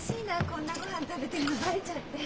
こんな御飯食べてるのバレちゃって。